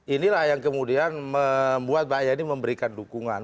inilah yang kemudian membuat mbak yeni memberikan dukungan